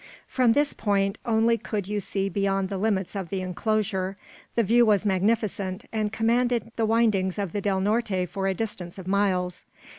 From this point only could you see beyond the limits of the inclosure. The view was magnificent, and commanded the windings of the Del Norte for a distance of miles.